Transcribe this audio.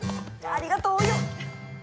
ありがとうお葉！